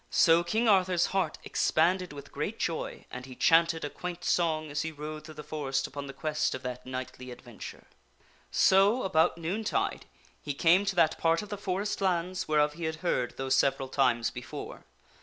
So King Arthur's heart expanded with great joy, and he chanted a quaint song as he rode through the forest upon the quest of that knightly adventure. So, about noon tide, he came to that part of the forest lands whereof he had heard those several times before.